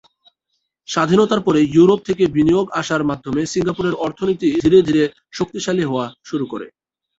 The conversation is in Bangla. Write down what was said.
স্বাধীনতার পরে ইউরোপ থেকে বিনিয়োগ আসার মাধ্যমে সিঙ্গাপুরের অর্থনীতি ধীরে ধীরে শক্তিশালী হওয়া শুরু করে।